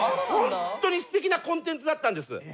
ホントにすてきなコンテンツだったんです。